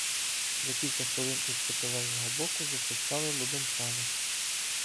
За кілька хвилин із протилежного боку засвистали лубенчани.